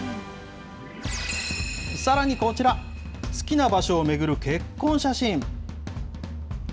さらにこちら、好きな場所を巡る結婚写真。